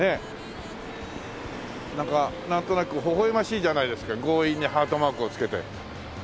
なんかなんとなくほほ笑ましいじゃないですか強引にハートマークをつけて。